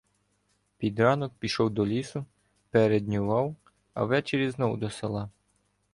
Під ранок пішов до лісу, переднював, а ввечері — знову до села.